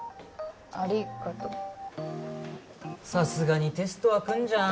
ありがとうさすがにテストは来んじゃん？